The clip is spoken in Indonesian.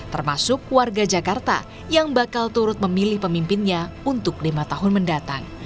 termasuk warga jakarta yang bakal turut memilih pemimpinnya untuk lima tahun mendatang